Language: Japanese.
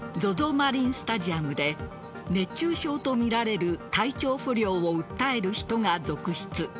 マリンスタジアムで熱中症とみられる体調不良を訴える人が続出。